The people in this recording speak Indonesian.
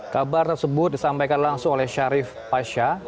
kabar tersebut disampaikan langsung oleh syarif pasha